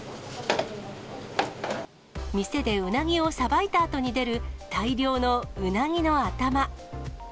店でうなぎをさばいたあとに出る、大量のうなぎの頭。